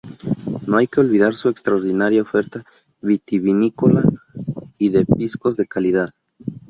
No hay que olvidar su extraordinaria oferta vitivinícola y de piscos de calidad.